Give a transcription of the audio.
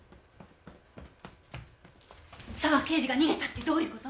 沢刑事が逃げたってどういう事？